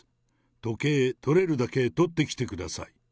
時計とれるだけとってきてください。